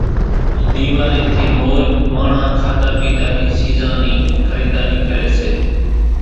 ۮيواري ٿي مور ماڻۿان کاڌا پيڌا نِي سيزان نِي خريداري ڪري سي